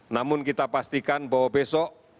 namun kita pastikan bahwa besok